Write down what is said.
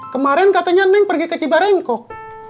kemaren katanya neng pergi ke cibarangkok